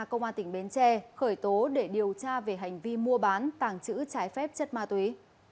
công an tỉnh bến tre khởi tố để điều tra về hành vi mua bán tàng trữ trái phép chất ma túy